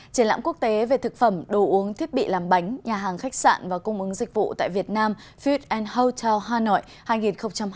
triển lãm quốc tế về thực phẩm đồ uống thiết bị làm bánh nhà hàng khách sạn và cung ứng dịch vụ tại việt nam fid houth hà nội hai nghìn hai mươi